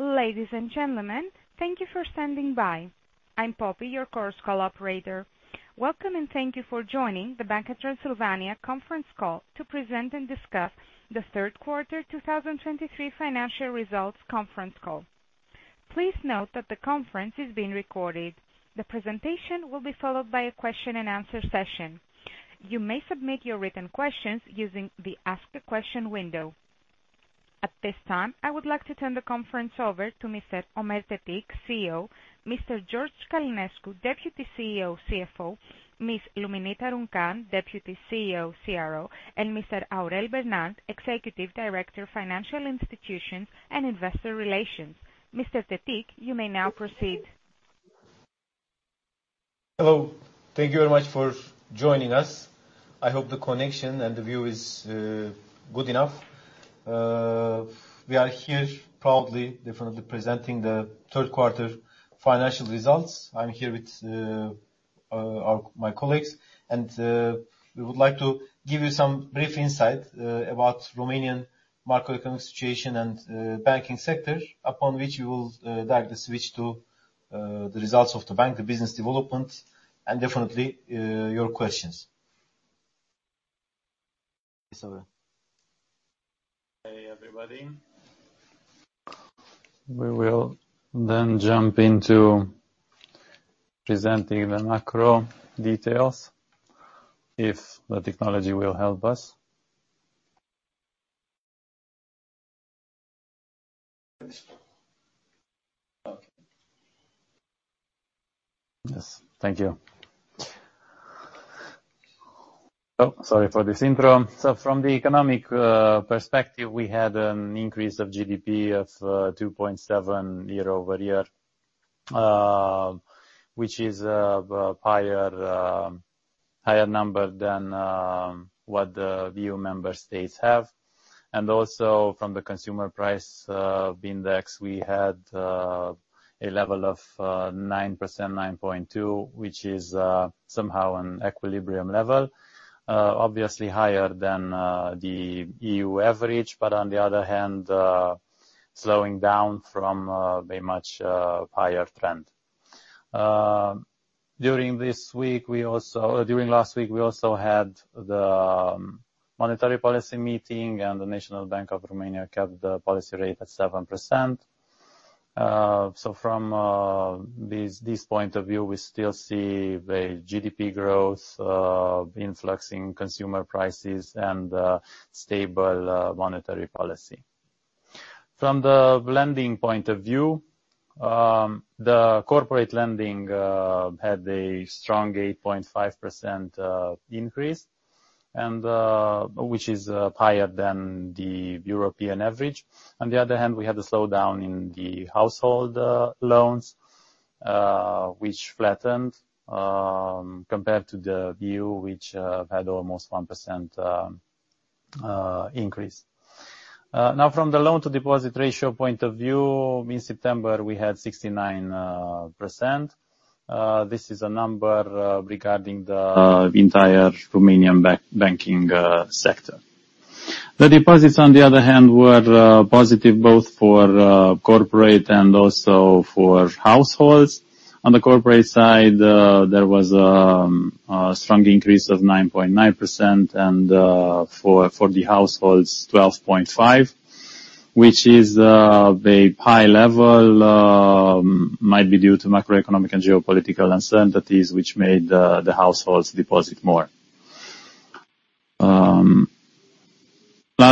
Ladies and gentlemen, thank you for standing by. I'm Poppy, your Chorus Call operator. Welcome, and thank you for joining the Banca Transilvania conference call to present and discuss the third quarter 2023 financial results conference call. Please note that the conference is being recorded. The presentation will be followed by a question and answer session. You may submit your written questions using the Ask a Question window. At this time, I would like to turn the conference over to Mr. Ömer Tetik, CEO, Mr. George Călinescu, Deputy CEO, CFO, Ms. Luminița Runcan, Deputy CEO, CRO, and Mr. Aurel Bernat, Executive Director, Financial Institutions and Investor Relations. Mr. Tetik, you may now proceed. Hello. Thank you very much for joining us. I hope the connection and the view is good enough. We are here proudly, definitely presenting the third quarter financial results. I'm here with my colleagues, and we would like to give you some brief insight about Romanian macroeconomic situation and banking sector, upon which we will directly switch to the results of the bank, the business development, and definitely your questions. Hey, everybody. We will then jump into presenting the macro details if the technology will help us. Okay. Yes, thank you. Oh, sorry for this intro. So from the economic perspective, we had an increase of GDP of 2.7% year-over-year, which is higher number than what the EU member states have. Also from the Consumer Price Index, we had a level of 9%, 9.2%, which is somehow an equilibrium level. Obviously higher than the EU average, but on the other hand, slowing down from a much higher trend. During last week, we also had the monetary policy meeting and the National Bank of Romania kept the policy rate at 7%. So from this point of view, we still see the GDP growth influencing consumer prices and stable monetary policy. From the lending point of view, the corporate lending had a strong 8.5% increase, and which is higher than the European average. On the other hand, we had a slowdown in the household loans which flattened compared to the EU, which had almost 1% increase. Now from the loan to deposit ratio point of view, in September, we had 69%. This is a number regarding the entire Romanian banking sector. The deposits, on the other hand, were positive both for corporate and also for households. On the corporate side, there was a strong increase of 9.9%, and for the households, 12.5%, which is a high level, might be due to macroeconomic and geopolitical uncertainties, which made the households deposit more. Last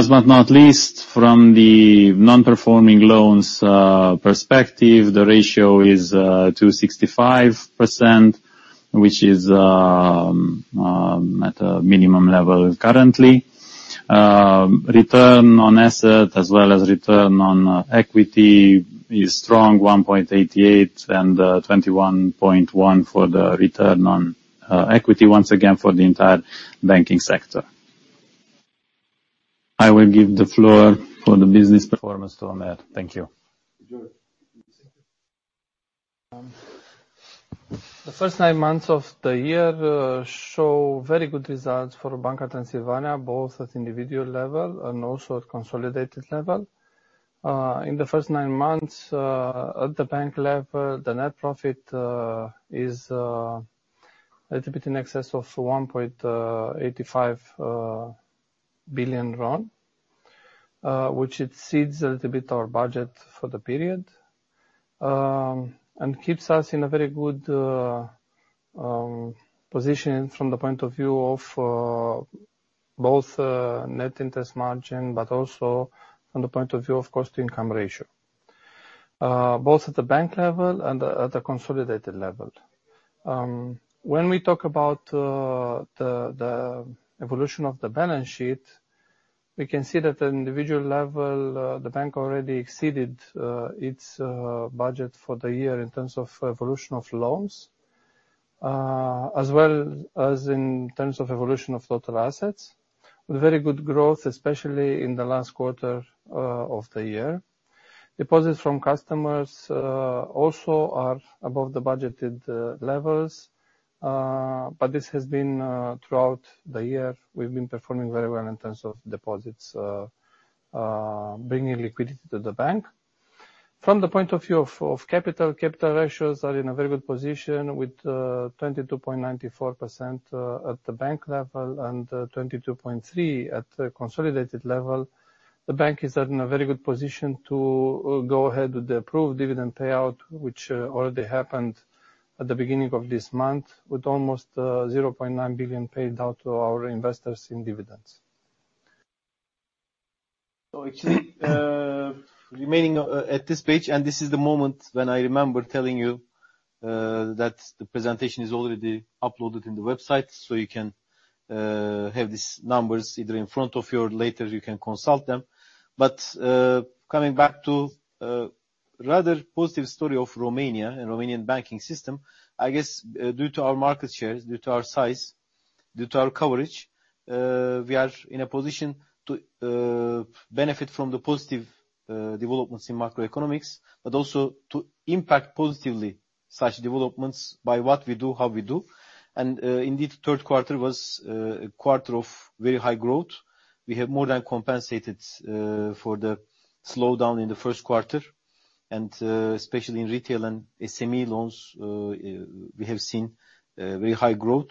but not least, from the non-performing loans perspective, the ratio is 2.65%, which is at a minimum level currently. Return on asset, as well as return on equity, is strong, 1.88% and 21.1% for the return on equity, once again for the entire banking sector. I will give the floor for the business performance to Ömer. Thank you. The first nine months of the year show very good results for Banca Transilvania, both at individual level and also at consolidated level. In the first nine months, at the bank level, the net profit is a little bit in excess of RON 1.85 billion, which exceeds a little bit our budget for the period, and keeps us in a very good position from the point of view of both net interest margin, but also from the point of view of cost-to-income ratio, both at the bank level and at the consolidated level. When we talk about the evolution of the balance sheet, we can see that at individual level, the bank already exceeded its budget for the year in terms of evolution of loans, as well as in terms of evolution of total assets. Very good growth, especially in the last quarter of the year. Deposits from customers also are above the budgeted levels. But this has been throughout the year. We've been performing very well in terms of deposits, bringing liquidity to the bank. From the point of view of capital, capital ratios are in a very good position, with 22.94% at the bank level, and 22.3% at the consolidated level. The bank is in a very good position to go ahead with the approved dividend payout, which already happened at the beginning of this month, with almost RON 0.9 billion paid out to our investors in dividends. So actually, remaining at this page, and this is the moment when I remember telling you that the presentation is already uploaded in the website, so you can have these numbers either in front of you or later you can consult them. But, coming back to, rather positive story of Romania and Romanian banking system, I guess, due to our market shares, due to our size, due to our coverage, we are in a position to, benefit from the positive, developments in macroeconomics, but also to impact positively such developments by what we do, how we do. And, indeed, third quarter was, a quarter of very high growth. We have more than compensated, for the slowdown in the first quarter, and, especially in retail and SME loans, we have seen, very high growth.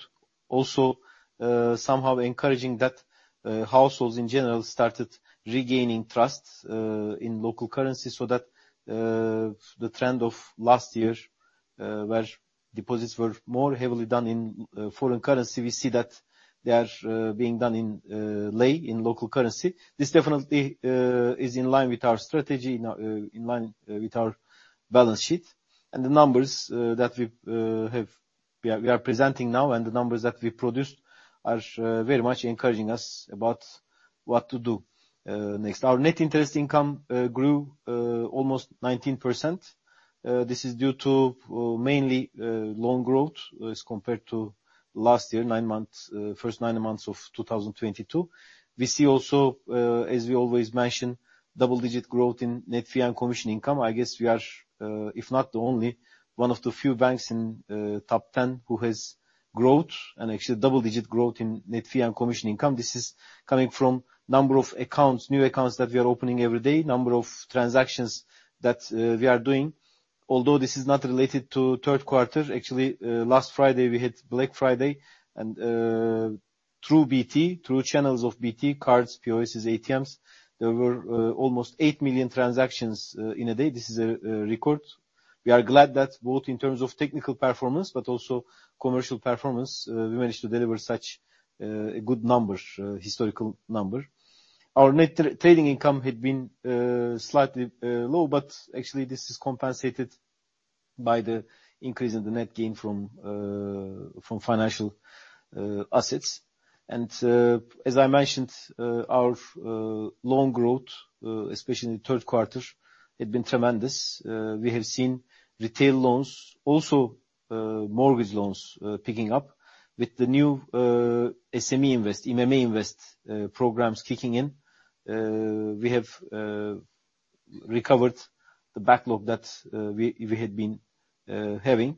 Also, somehow encouraging that households in general started regaining trust in local currency, so that the trend of last year, where deposits were more heavily done in foreign currency, we see that they are being done in lei, in local currency. This definitely is in line with our strategy, now, in line with our balance sheet. And the numbers that we have, we are presenting now, and the numbers that we produced are very much encouraging us about what to do next. Our net interest income grew almost 19%. This is due to mainly loan growth as compared to last year, nine months, first nine months of 2022. We see also, as we always mention, double digit growth in net fee and commission income. I guess we are, if not the only, one of the few banks in top 10 who has growth, and actually double digit growth in net fee and commission income. This is coming from number of accounts, new accounts that we are opening every day, number of transactions that we are doing. Although this is not related to third quarter, actually, last Friday, we had Black Friday, and through BT, through channels of BT, cards, POSs, ATMs, there were almost 8 million transactions in a day. This is a record. We are glad that both in terms of technical performance but also commercial performance, we managed to deliver such good numbers, historical number. Our net trading income had been slightly low, but actually this is compensated by the increase in the net gain from financial assets. As I mentioned, our loan growth, especially in the third quarter, had been tremendous. We have seen retail loans, also, mortgage loans picking up with the new SME Invest, IMM Invest programs kicking in. We have recovered the backlog that we had been having.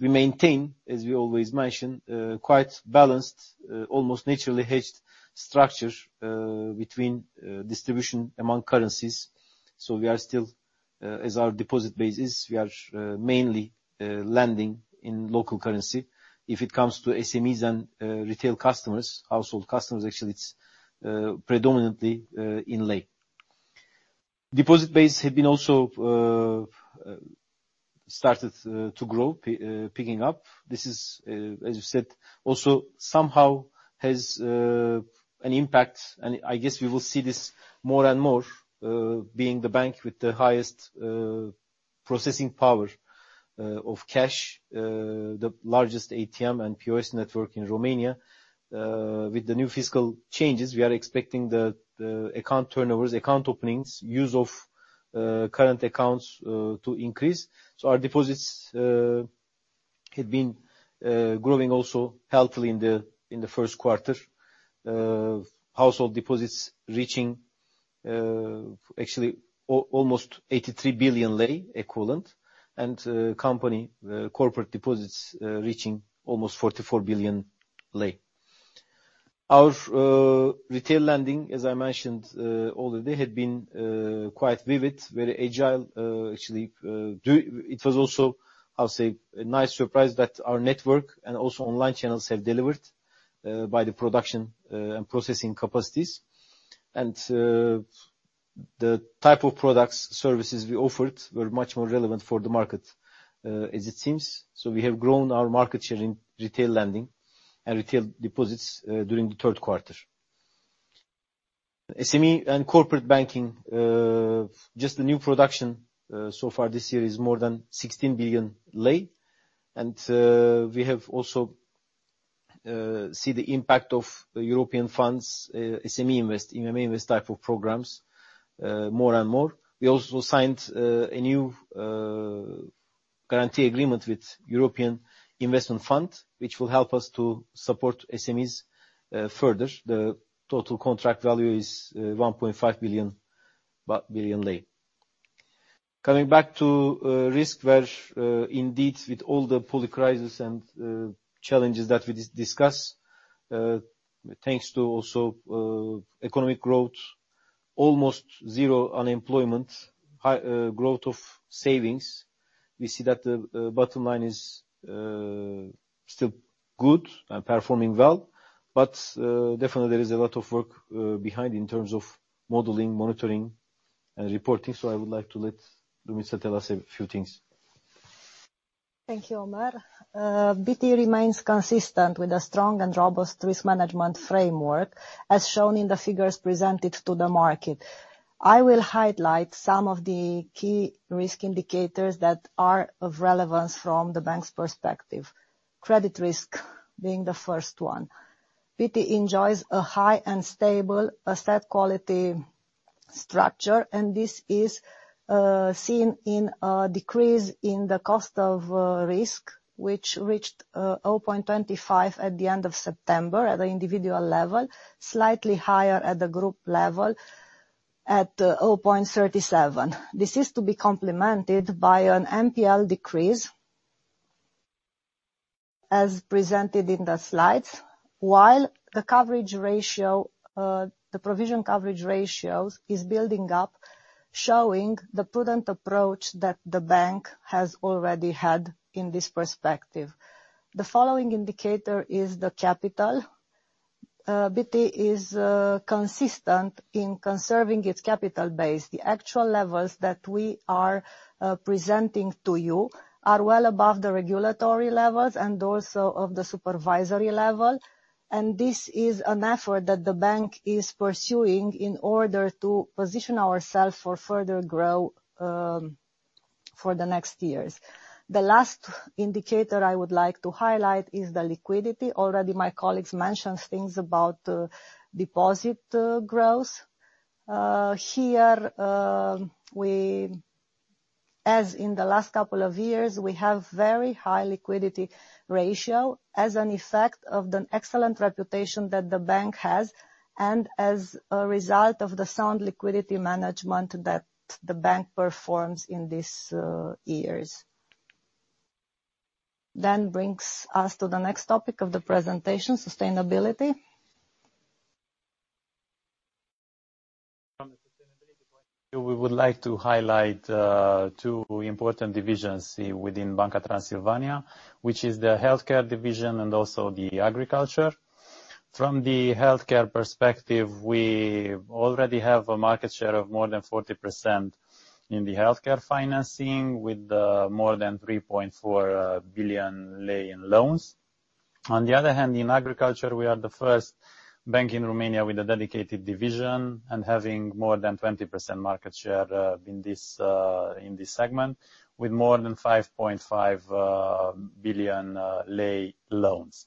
We maintain, as we always mention, a quite balanced, almost naturally hedged structure between distribution among currencies. We are still, as our deposit base is, we are mainly lending in local currency. If it comes to SMEs and retail customers, household customers, actually, it's predominantly in lei. Deposit base have been also started to grow, picking up. This is, as you said, also somehow has an impact, and I guess we will see this more and more, being the bank with the highest processing power of cash, the largest ATM and POS network in Romania. With the new fiscal changes, we are expecting the account turnovers, account openings, use of current accounts to increase. So our deposits had been growing also healthily in the first quarter. Household deposits reaching, actually, almost RON 83 billion equivalent, and company corporate deposits reaching almost RON 44 billion. Our retail lending, as I mentioned, already, had been quite vivid, very agile, actually, do. It was also, I'll say, a nice surprise that our network and also online channels have delivered by the production and processing capacities. And the type of products, services we offered were much more relevant for the market, as it seems. So we have grown our market share in retail lending and retail deposits during the third quarter. SME and corporate banking, just the new production so far this year is more than RON 16 billion. And we have also see the impact of European funds, SME Invest, IMM Invest type of programs, more and more. We also signed a new guarantee agreement with European Investment Fund, which will help us to support SMEs further. The total contract value is RON 1.5 billion. Coming back to risk verse, indeed, with all the polycrisis and challenges that we discuss, thanks to also economic growth, almost zero unemployment, high growth of savings, we see that the bottom line is still good and performing well, but definitely there is a lot of work behind in terms of modeling, monitoring, and reporting. So I would like to let Luminița tell us a few things. Thank you, Ömer. BT remains consistent with a strong and robust risk management framework, as shown in the figures presented to the market. I will highlight some of the key risk indicators that are of relevance from the bank's perspective, credit risk being the first one. BT enjoys a high and stable asset quality structure, and this is seen in a decrease in the cost of risk, which reached 0.25 at the end of September at the individual level, slightly higher at the group level, at 0.37. This is to be complemented by an NPL decrease, as presented in the slides. While the coverage ratio, the provision coverage ratios is building up, showing the prudent approach that the bank has already had in this perspective. The following indicator is the capital. BT is consistent in conserving its capital base. The actual levels that we are presenting to you are well above the regulatory levels and also of the supervisory level, and this is an effort that the bank is pursuing in order to position ourself for further growth, for the next years. The last indicator I would like to highlight is the liquidity. Already my colleagues mentioned things about the deposit growth. Here, we, as in the last couple of years, we have very high liquidity ratio as an effect of the excellent reputation that the bank has and as a result of the sound liquidity management that the bank performs in these years. That brings us to the next topic of the presentation: sustainability. From the sustainability point of view, we would like to highlight two important divisions within Banca Transilvania, which is the healthcare division and also the agriculture. From the healthcare perspective, we already have a market share of more than 40% in the healthcare financing, with more than RON 3.4 billion in loans. On the other hand, in agriculture, we are the first bank in Romania with a dedicated division and having more than 20% market share in this segment, with more than RON 5.5 billion in loans.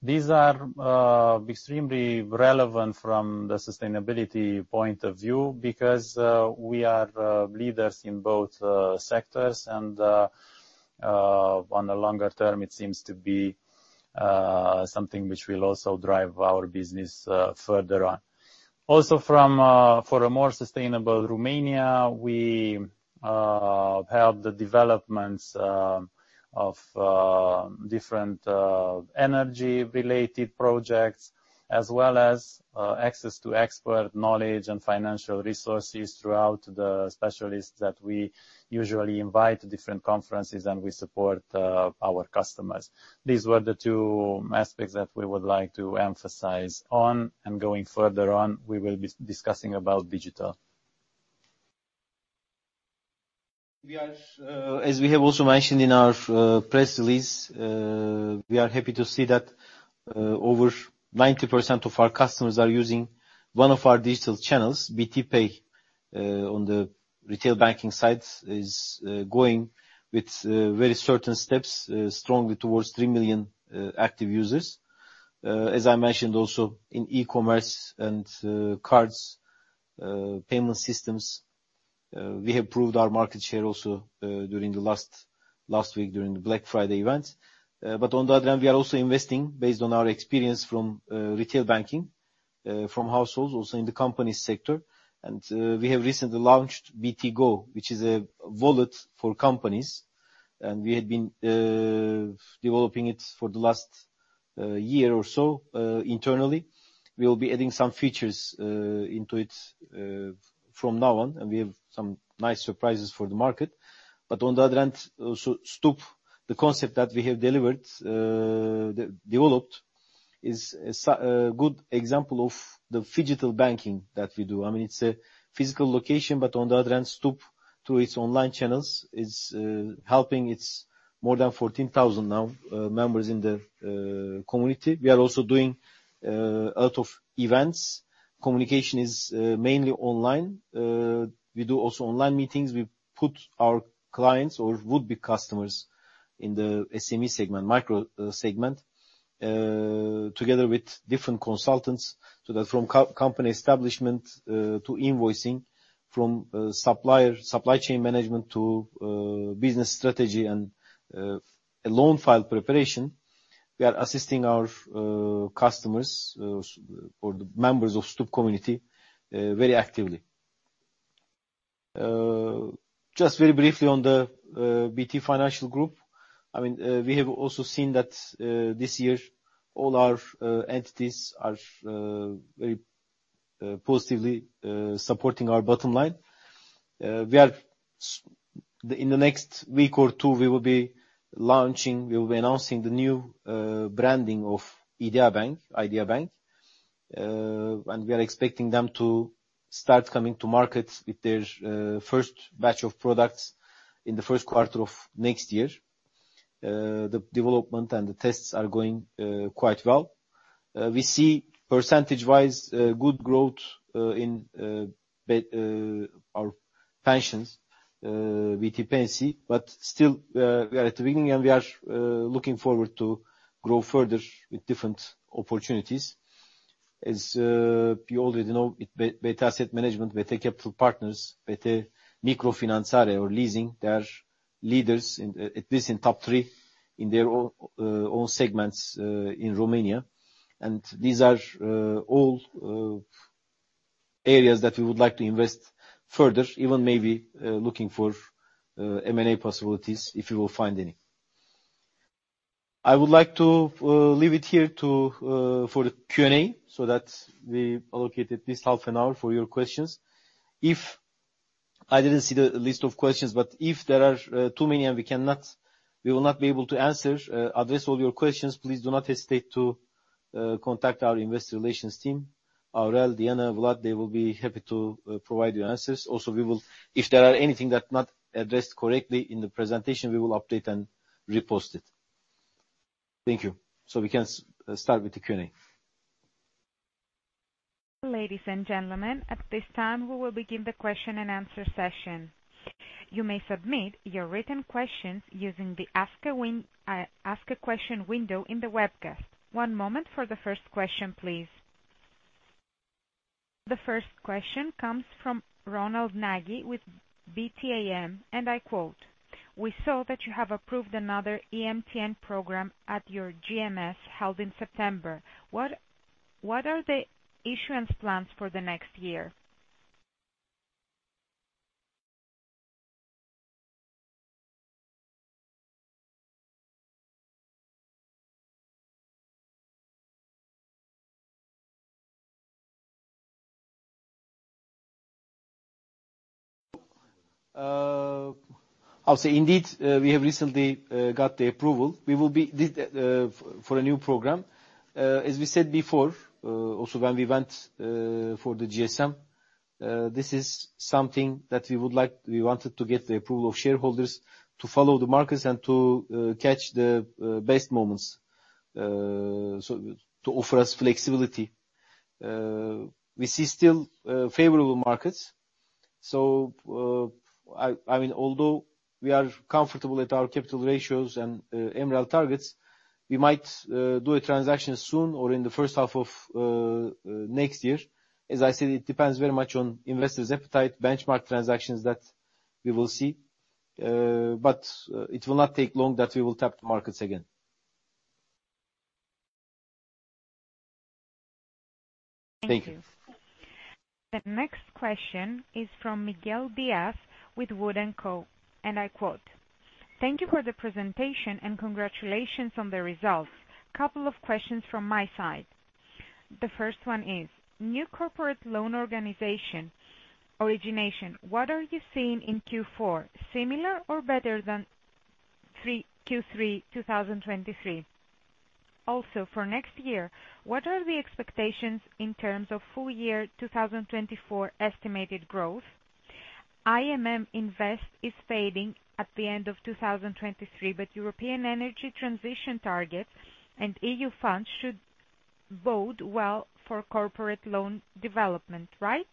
These are extremely relevant from the sustainability point of view, because we are leaders in both sectors, and on the longer term, it seems to be something which will also drive our business further on. Also, for a more sustainable Romania, we have the developments of different energy-related projects, as well as access to expert knowledge and financial resources through the specialists that we usually invite to different conferences, and we support our customers. These were the two aspects that we would like to emphasize on, and going further on, we will be discussing about digital. We are, as we have also mentioned in our press release, we are happy to see that over 90% of our customers are using one of our digital channels. BT Pay, on the retail banking side, is going with very certain steps strongly towards 3 million active users. As I mentioned also in e-commerce and cards, payment systems, we have proved our market share also during the last week during the Black Friday event. But on the other hand, we are also investing based on our experience from retail banking, from households, also in the company sector. And we have recently launched BT Go, which is a wallet for companies, and we had been developing it for the last year or so, internally. We will be adding some features into it from now on, and we have some nice surprises for the market. But on the other end, also, STUP, the concept that we have delivered, developed, is a good example of the phygital banking that we do. I mean, it's a physical location, but on the other end, STUP, through its online channels, is helping its more than 14,000 now members in the community. We are also doing a lot of events. Communication is mainly online. We do also online meetings. We put our clients or would-be customers in the SME segment, micro segment, together with different consultants, so that from company establishment to invoicing, from supplier supply chain management to business strategy and a loan file preparation. We are assisting our customers or the members of the STUP community very actively. Just very briefly on the BT Financial Group. I mean, we have also seen that this year all our entities are very positively supporting our bottom line. In the next week or two, we will be launching. We will be announcing the new branding of Idea Bank, Idea Bank. And we are expecting them to start coming to market with their first batch of products in the first quarter of next year. The development and the tests are going quite well. We see percentage-wise good growth in our pensions with dependency. But still, we are at the beginning, and we are looking forward to grow further with different opportunities. As you already know, with BT Asset Management, BT Capital Partners, BT Microfinanțare or Leasing, they are leaders in at least top three in their own segments in Romania. And these are all areas that we would like to invest further, even maybe looking for M&A possibilities, if we will find any. I would like to leave it here for the Q&A, so that we allocated at least half an hour for your questions. If I didn't see the list of questions, but if there are too many and we cannot we will not be able to address all your questions, please do not hesitate to contact our investor relations team. Aurel, Diana, Vlad, they will be happy to provide you answers. Also, we will, If there are anything that not addressed correctly in the presentation, we will update and repost it. Thank you. So we can start with the Q&A. Ladies and gentlemen, at this time, we will begin the question-and-answer session. You may submit your written questions using the ask a question window in the webcast. One moment for the first question, please. The first question comes from Ronald Nagy with BTAM, and I quote: "We saw that you have approved another EMTN program at your GMS held in September. What, what are the issuance plans for the next year? I'll say indeed, we have recently got the approval. We will be for a new program. As we said before, also when we went for the GSM, this is something that we would like, we wanted to get the approval of shareholders to follow the markets and to catch the best moments, so to offer us flexibility. We see still favorable markets. So, I mean, although we are comfortable at our capital ratios and MREL targets, we might do a transaction soon or in the first half of next year. As I said, it depends very much on investors' appetite, benchmark transactions that we will see. But it will not take long that we will tap the markets again. Thank you. The next question is from Miguel Dias with Wood & Company. And I quote: "Thank you for the presentation and congratulations on the results. Couple of questions from my side. The first one is, new corporate loan origination, what are you seeing in Q4? Similar or better than Q3, 2023? Also, for next year, what are the expectations in terms of full year 2024 estimated growth? IMM Invest is fading at the end of 2023, but European energy transition targets and EU funds should bode well for corporate loan development, right?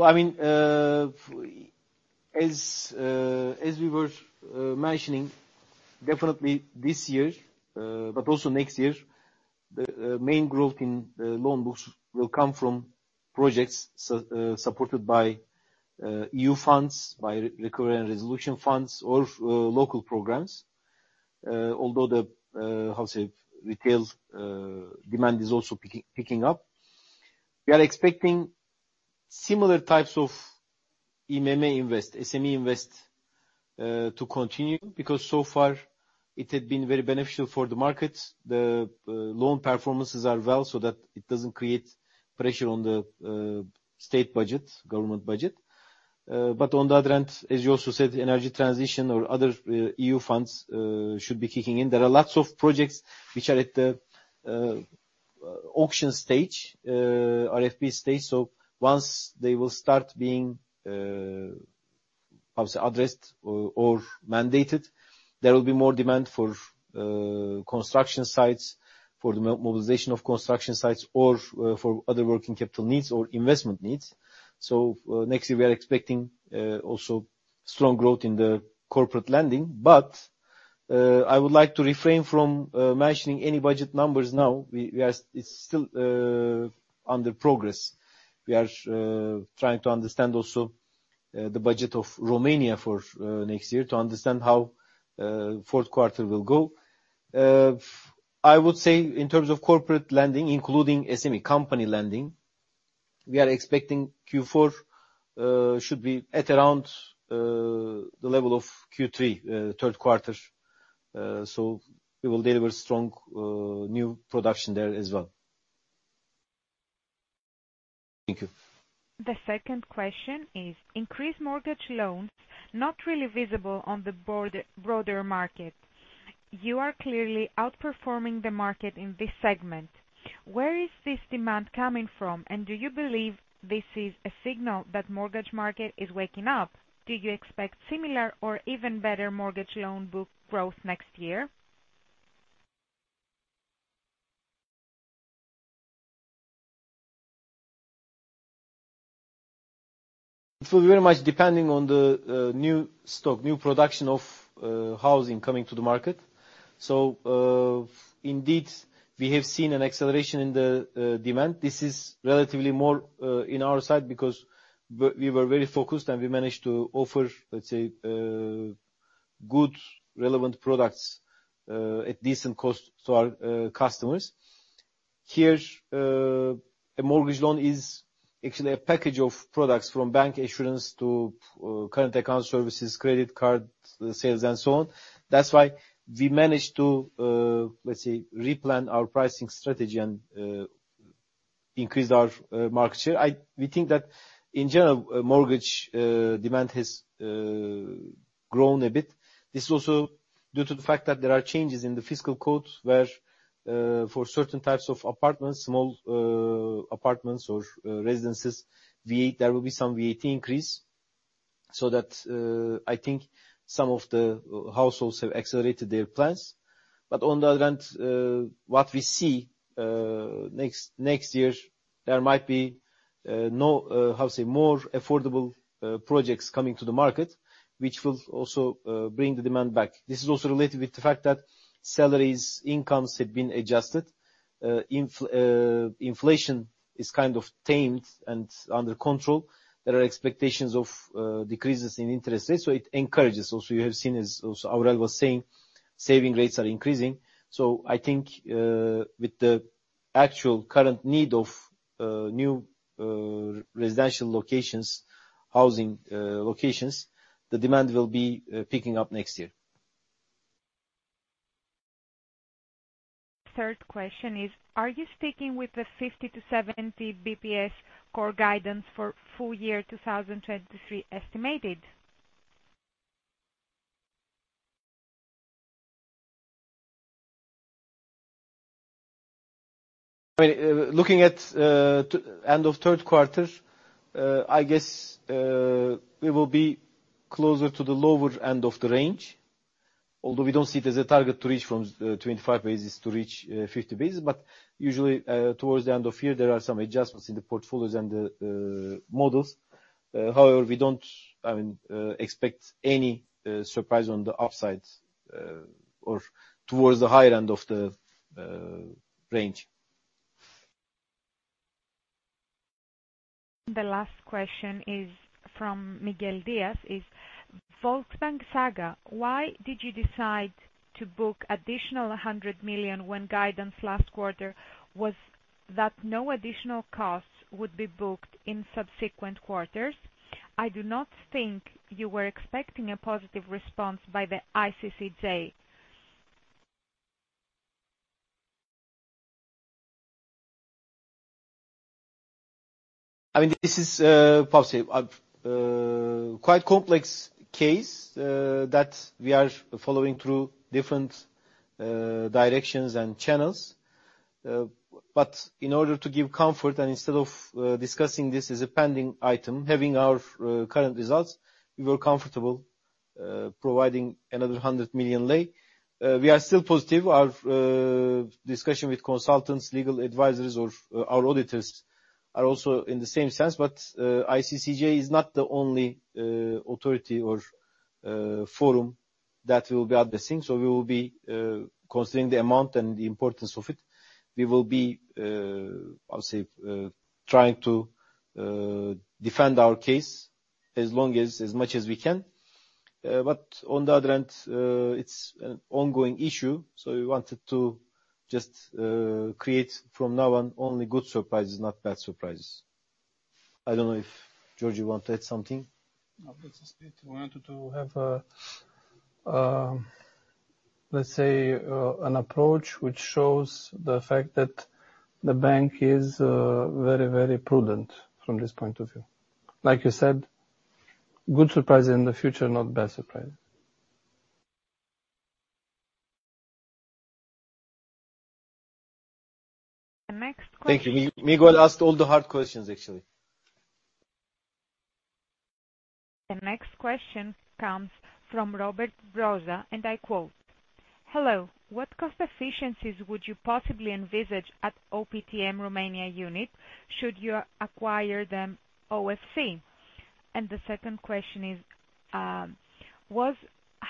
So I mean, as we were mentioning, definitely this year, but also next year, the main growth in loan books will come from projects supported by EU funds, by recovery and resolution funds or local programs. Although the how say retail demand is also picking up. We are expecting similar types of IMM Invest, SME Invest to continue, because so far it had been very beneficial for the market. The loan performances are well, so that it doesn't create pressure on the state budget, government budget. But on the other hand, as you also said, energy transition or other EU funds should be kicking in. There are lots of projects which are at the auction stage, RFP stage. So once they will start being addressed or mandated, there will be more demand for construction sites, for the mobilization of construction sites or for other working capital needs or investment needs. So next year, we are expecting also strong growth in the corporate lending. But I would like to refrain from mentioning any budget numbers now. We are. It's still under progress. We are trying to understand also the budget of Romania for next year to understand how fourth quarter will go. I would say in terms of corporate lending, including SME company lending, we are expecting Q4 should be at around the level of Q3, third quarter. So we will deliver strong new production there as well. Thank you. The second question is: Increased mortgage loans not really visible on the board. Broader market. You are clearly outperforming the market in this segment. Where is this demand coming from? And do you believe this is a signal that mortgage market is waking up? Do you expect similar or even better mortgage loan book growth next year? It will very much depending on the new stock, new production of housing coming to the market. So, indeed, we have seen an acceleration in the demand. This is relatively more in our side because we, we were very focused, and we managed to offer, let's say, good, relevant products at decent cost to our customers. Here, a mortgage loan is actually a package of products from bank insurance to current account services, credit card sales, and so on. That's why we managed to, let's say, replan our pricing strategy and increase our market share. We think that in general, mortgage demand has grown a bit. This is also due to the fact that there are changes in the fiscal code, where for certain types of apartments, small apartments or residences, VAT there will be some VAT increase. So that, I think some of the households have accelerated their plans. But on the other hand, what we see next, next year, there might be no, how to say, more affordable projects coming to the market, which will also bring the demand back. This is also related with the fact that salaries, incomes have been adjusted. Inflation is kind of tamed and under control. There are expectations of decreases in interest rates, so it encourages. Also, you have seen, as also Aurel was saying, saving rates are increasing. I think, with the actual current need of new residential locations, housing locations, the demand will be picking up next year. Third question is: Are you sticking with the 50-70 basis points core guidance for full year 2023 estimated? I mean, looking at end of third quarter, I guess, we will be closer to the lower end of the range. Although we don't see it as a target to reach from 25 basis to reach 50 basis, but usually, towards the end of year, there are some adjustments in the portfolios and the models. However, we don't, I mean, expect any surprise on the upside or towards the high end of the range. The last question is from Miguel Dias is: Volksbank saga, why did you decide to book additional RON 100 million when guidance last quarter was that no additional costs would be booked in subsequent quarters? I do not think you were expecting a positive response by the ICCJ. I mean, this is quite complex case that we are following through different directions and channels. But in order to give comfort and instead of discussing this as a pending item, having our current results, we were comfortable providing another RON 100 million. We are still positive. Our discussion with consultants, legal advisors, or our auditors are also in the same sense, but ICCJ is not the only authority or forum that will be addressing. So we will be considering the amount and the importance of it. We will be, I'll say, trying to defend our case as long as, as much as we can. But on the other hand, it's an ongoing issue, so we wanted to just create from now on, only good surprises, not bad surprises. I don't know if George want to add something. No, but we wanted to have a, let's say, an approach which shows the fact that the bank is very, very prudent from this point of view. Like you said, good surprises in the future, not bad surprises. The next question. Thank you. Miguel asked all the hard questions, actually. The next question comes from Robert Brzoza, and I quote: Hello. What cost efficiencies would you possibly envisage at OTP Romania unit, should you acquire them OTP? And the second question is, was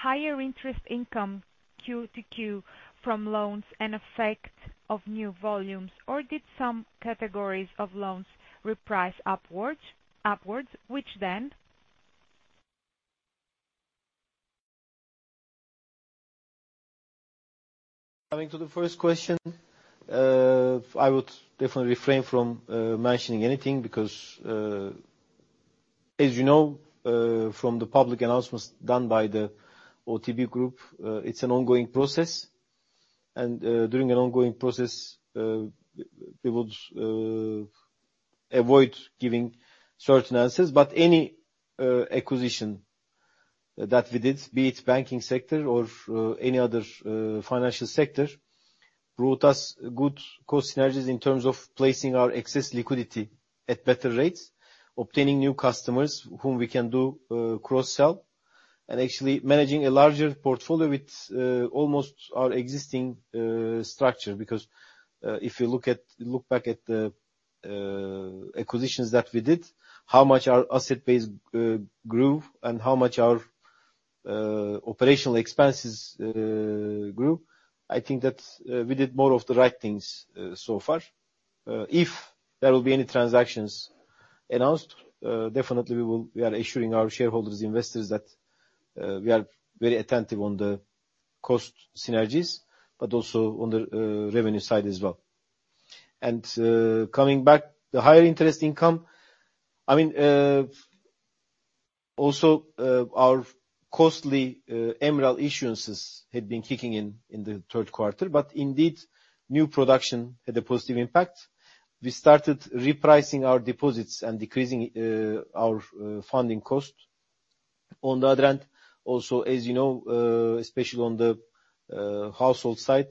higher interest income Q-Q from loans an effect of new volumes, or did some categories of loans reprice upwards? Which then? Coming to the first question, I would definitely refrain from mentioning anything because, as you know, from the public announcements done by the OTP Group, it's an ongoing process. During an ongoing process, we would avoid giving certain answers. Any acquisition that we did, be it banking sector or any other financial sector, brought us good cost synergies in terms of placing our excess liquidity at better rates, obtaining new customers whom we can do cross-sell, and actually managing a larger portfolio with almost our existing structure. Because if you look back at the acquisitions that we did, how much our asset base grew and how much our operational expenses grew, I think that we did more of the right things so far. If there will be any transactions announced, definitely we are assuring our shareholders, investors that we are very attentive on the cost synergies, but also on the revenue side as well. And, coming back, the higher interest income, I mean, also our costly MREL issuances had been kicking in, in the third quarter, but indeed, new production had a positive impact. We started repricing our deposits and decreasing our funding cost. On the other end, also, as you know, especially on the household side,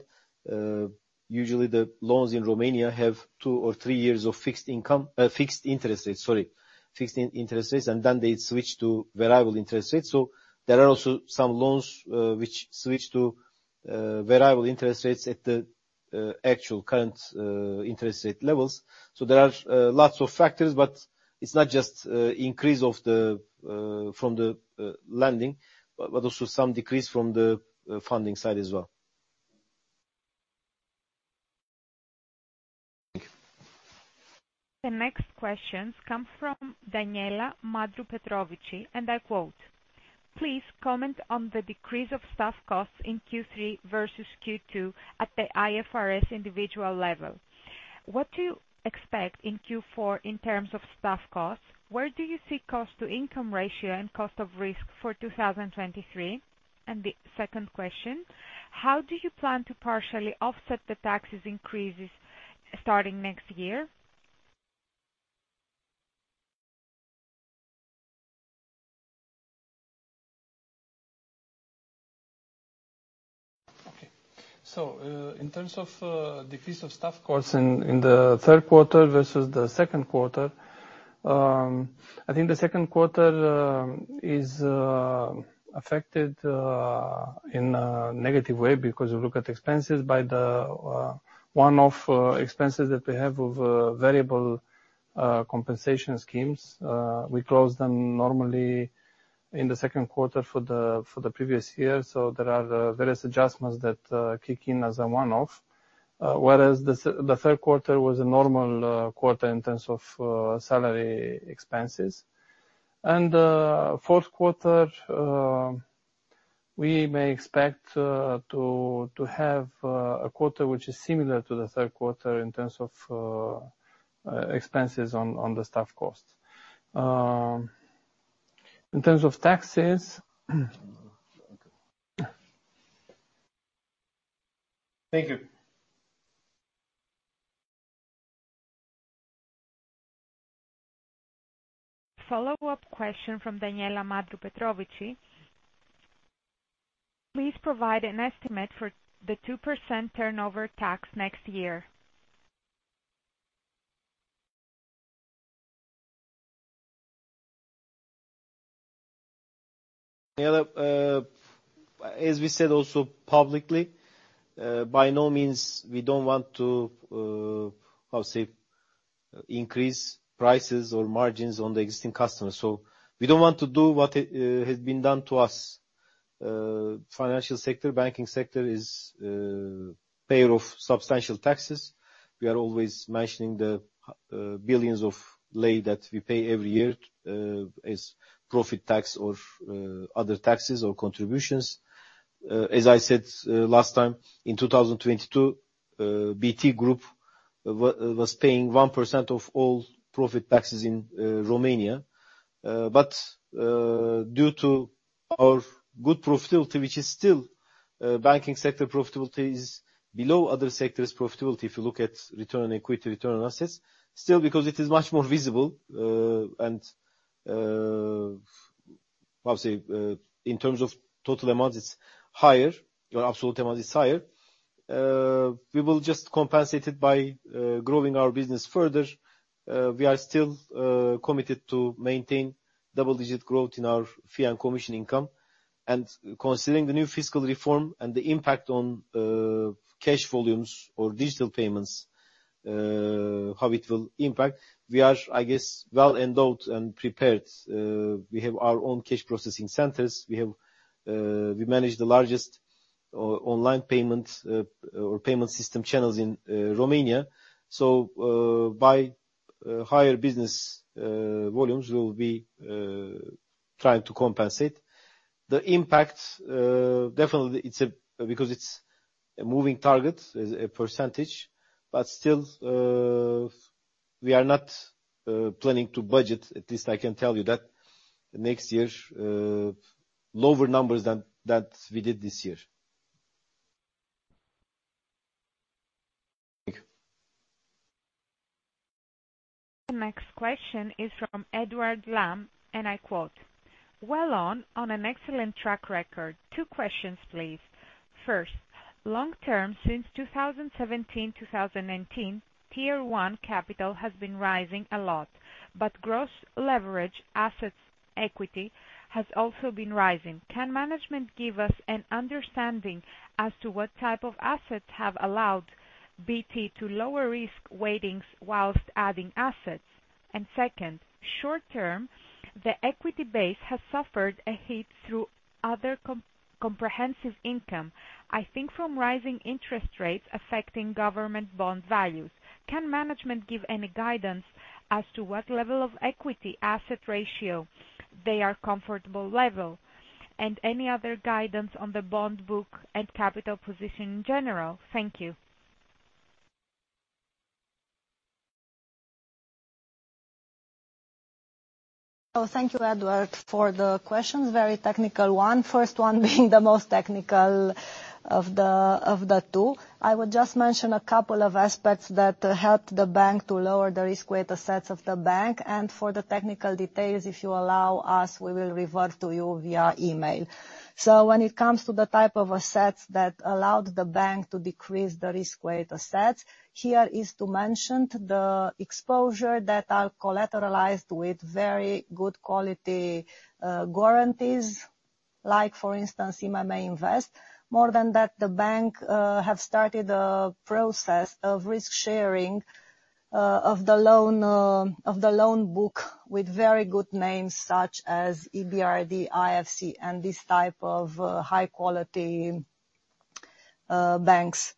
usually the loans in Romania have two or three years of fixed income, fixed interest rates, sorry, fixed interest rates, and then they switch to variable interest rates. So there are also some loans which switch to variable interest rates at the actual current interest rate levels. So there are lots of factors, but it's not just increase of the from the lending, but also some decrease from the funding side as well. Thank you. The next questions come from Daniela Mândru, and I quote: "Please comment on the decrease of staff costs in Q3 versus Q2 at the IFRS individual level. What do you expect in Q4 in terms of staff costs? Where do you see cost-to-income ratio and cost of risk for 2023?" The second question: "How do you plan to partially offset the tax increases starting next year? Okay. So, in terms of decrease of staff costs in the third quarter versus the second quarter, I think the second quarter is affected in a negative way because you look at expenses by the one-off expenses that we have of variable compensation schemes. We close them normally in the second quarter for the previous year, so there are various adjustments that kick in as a one-off. Whereas the third quarter was a normal quarter in terms of salary expenses. And fourth quarter, we may expect to have a quarter which is similar to the third quarter in terms of expenses on the staff costs. In terms of taxes, thank you. Follow-up question from Daniela Mândru: "Please provide an estimate for the 2% turnover tax next year? Yeah, as we said, also publicly, by no means we don't want to, how to say, increase prices or margins on the existing customers. So we don't want to do what has been done to us. Financial sector, banking sector is payer of substantial taxes. We are always mentioning the billions of RON that we pay every year, as profit tax or other taxes or contributions. As I said, last time, in 2022, BT Group was paying 1% of all profit taxes in Romania. But due to our good profitability, which is still banking sector profitability is below other sectors' profitability if you look at return on equity, return on assets, still because it is much more visible and how to say in terms of total amounts, it's higher, or absolute amount is higher, we will just compensate it by growing our business further. We are still committed to maintain double-digit growth in our fee and commission income. And considering the new fiscal reform and the impact on cash volumes or digital payments how it will impact, we are, I guess, well endowed and prepared. We have our own cash processing centers. We have we manage the largest online payment or payment system channels in Romania. So, by higher business volumes, we will be trying to compensate. The impact, definitely it's a because it's a moving target, is a percentage, but still, we are not planning to budget, at least I can tell you that, next year, lower numbers than that we did this year. Thank you. The next question is from Edward Lam, and I quote, "Well, on an excellent track record. Two questions, please. First, long term, since 2017, 2018, Tier 1 capital has been rising a lot, but gross leverage assets equity has also been rising. Can management give us an understanding as to what type of assets have allowed BT to lower risk weightings while adding assets? And second, short term, the equity base has suffered a hit through other comprehensive income, I think from rising interest rates affecting government bond values. Can management give any guidance as to what level of equity asset ratio they are comfortable level, and any other guidance on the bond book and capital position in general? Thank you. Oh, thank you, Edward, for the questions. Very technical one. First one being the most technical of the two. I would just mention a couple of aspects that helped the bank to lower the risk-weighted assets of the bank, and for the technical details, if you allow us, we will revert to you via email. So when it comes to the type of assets that allowed the bank to decrease the risk-weighted assets, here is to mention the exposure that are collateralized with very good quality guarantees, like for instance, IMM Invest. More than that, the bank have started a process of risk sharing of the loan book, with very good names such as EBRD, IFC, and this type of high quality banks.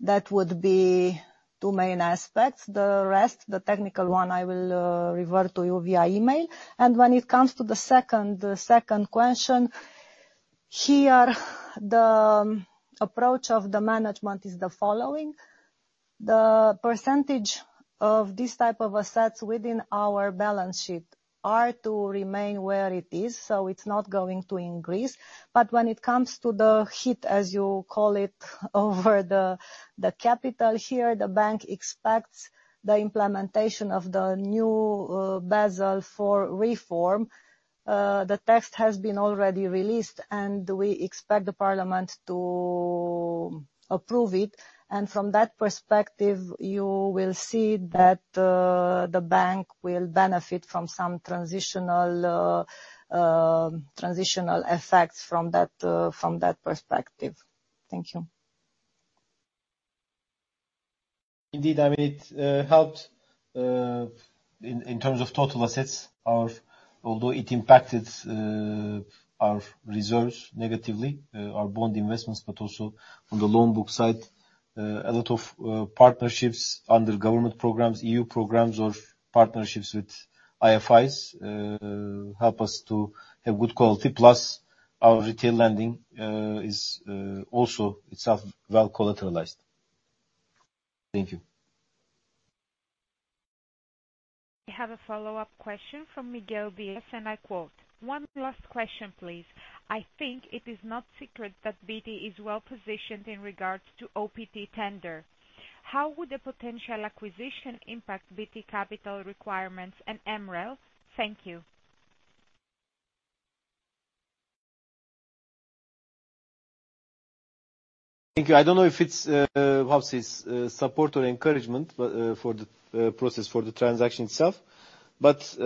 That would be two main aspects. The rest, the technical one, I will revert to you via email. And when it comes to the second, the second question, here, the approach of the management is the following: the percentage of this type of assets within our balance sheet are to remain where it is, so it's not going to increase. But when it comes to the hit, as you call it, over the, the capital here, the bank expects the implementation of the new, Basel IV reform. The text has been already released, and we expect the parliament to approve it. And from that perspective, you will see that, the bank will benefit from some transitional, transitional effects from that, from that perspective. Thank you. Indeed, I mean, it helped in terms of total assets of, although it impacted our reserves negatively, our bond investments, but also on the loan book side. A lot of partnerships under government programs, EU programs, or partnerships with IFIs help us to have good quality, plus our retail lending is also itself well collateralized. Thank you. I have a follow-up question from Miguel Dias, and I quote, "One last question, please. I think it is not secret that BT is well positioned in regards to OTP tender. How would a potential acquisition impact BT capital requirements and MREL? Thank you. Thank you. I don't know if it's how says support or encouragement but for the process for the transaction itself, but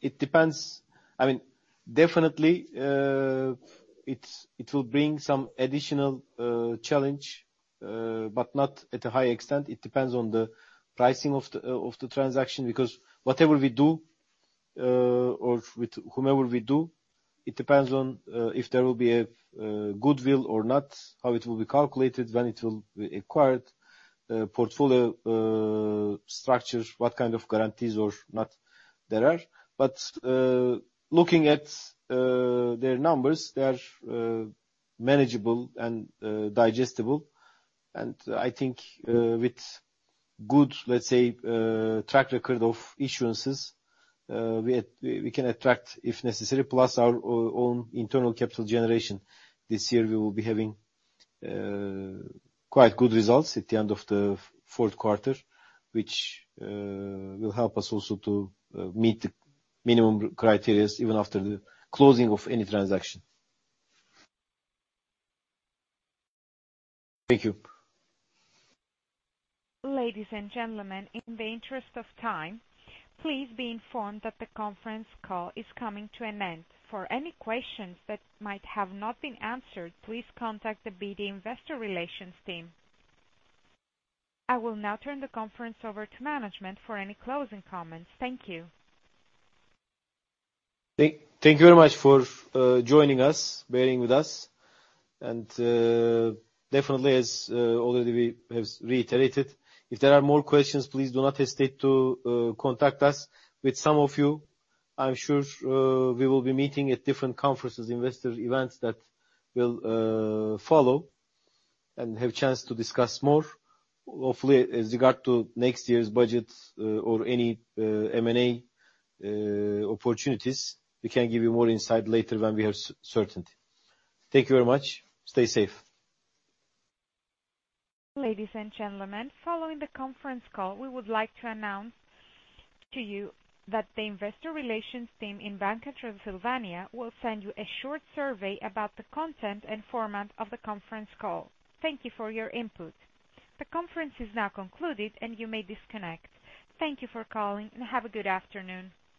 it depends. I mean, definitely, it will bring some additional challenge but not at a high extent. It depends on the pricing of the transaction, because whatever we do or with whomever we do, it depends on if there will be a goodwill or not, how it will be calculated, when it will be acquired portfolio structure, what kind of guarantees or not there are. But looking at their numbers, they are manageable and digestible. And I think with good, let's say, track record of issuances, we, we can attract, if necessary, plus our own internal capital generation. This year, we will be having quite good results at the end of the fourth quarter, which will help us also to meet the minimum criteria, even after the closing of any transaction. Thank you. Ladies and gentlemen, in the interest of time, please be informed that the conference call is coming to an end. For any questions that might have not been answered, please contact the BT Investor Relations team. I will now turn the conference over to management for any closing comments. Thank you. Thank you very much for joining us, bearing with us. And definitely, as already we have reiterated, if there are more questions, please do not hesitate to contact us. With some of you, I'm sure, we will be meeting at different conferences, investor events, that will follow and have a chance to discuss more. Hopefully, with regard to next year's budget, or any M&A opportunities, we can give you more insight later when we have certainty. Thank you very much. Stay safe. Ladies and gentlemen, following the conference call, we would like to announce to you that the investor relations team in Banca Transilvania will send you a short survey about the content and format of the conference call. Thank you for your input. The conference is now concluded, and you may disconnect. Thank you for calling, and have a good afternoon.